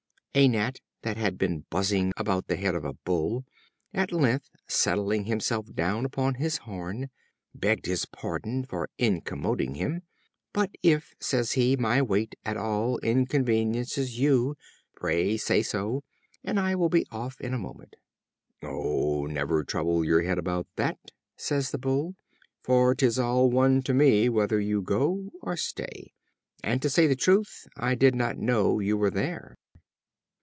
A Gnat that had been buzzing about the head of a Bull, at length settling himself down upon his horn, begged his pardon for incommoding him; "but if," says he, "my weight at all inconveniences you, pray say so, and I will be off in a moment." "Oh, never trouble your head about that," says the Bull, "for 'tis all one to me whether you go or stay; and, to say the truth, I did not know you were there."